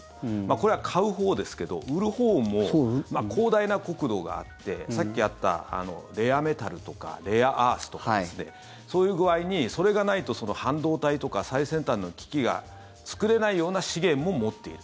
これは買うほうですけど売るほうも、広大な国土があってさっきあった、レアメタルとかレアアースとかそういう具合に、それがないと半導体とか最先端の機器が作れないような資源も持っている。